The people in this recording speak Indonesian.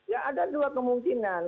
ya ada dua kemungkinan